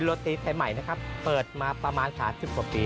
ไสมัยนี่มันจะช้าไม่ได้เลยเพราะช้าเสียทั้งที